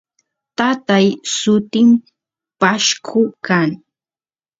tatay sutin pashku kan